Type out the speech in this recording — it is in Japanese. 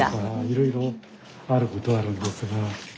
いろいろあることはあるんですが。